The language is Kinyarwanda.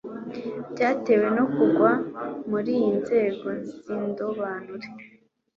byatewe no kugwa muriyi nzego zindobanure